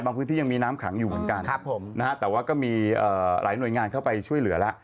พื้นที่ยังมีน้ำขังอยู่เหมือนกันนะฮะแต่ว่าก็มีหลายหน่วยงานเข้าไปช่วยเหลือแล้ว